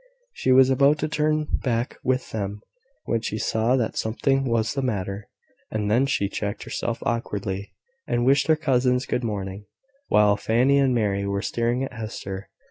She was about to turn back with them, when she saw that something was the matter, and then she checked herself awkwardly, and wished her cousins good morning, while Fanny and Mary were staring at Hester.